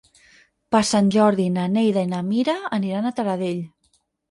Per Sant Jordi na Neida i na Mira aniran a Taradell.